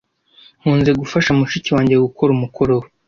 Nkunze gufasha mushiki wanjye gukora umukoro we.